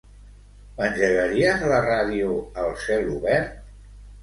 M'engegaries la ràdio al celobert?